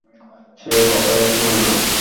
সে কথাই শুনেনা।